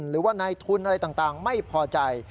หรือว่านายทุนอะไรต่างไม่พอใจ